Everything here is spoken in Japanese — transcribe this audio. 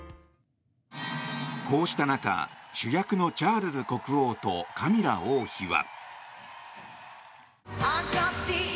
こうした中主役のチャールズ国王とカミラ王妃は。